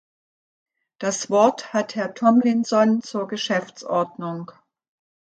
Das Wort hat Herr Tomlinson zur Geschäftsordnung.